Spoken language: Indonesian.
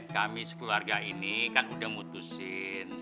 kami sekeluarga ini kan udah mutusin